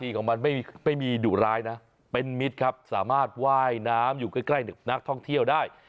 ก็อยู่ใกล้กับนักท่องเที่ยวได้